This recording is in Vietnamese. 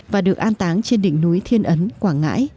và được an táng trên đỉnh núi thiên ấn quảng ngãi